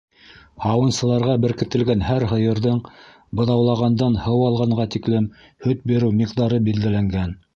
Һауынсыларға беркетелгән һәр һыйырҙың быҙаулағандан һыуалғанға тиклем һөт биреү миҡдары билдәләнгән.